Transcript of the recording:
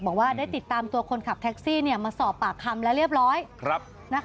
บอกว่าได้ติดตามตัวคนขับแท็กซี่มาสอบปากคำแล้วเรียบร้อย